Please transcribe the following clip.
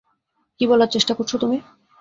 কী বলার চেষ্টা করছো তুমি?